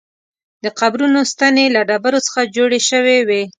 د قبرونو ستنې له ډبرو څخه جوړې شوې وې.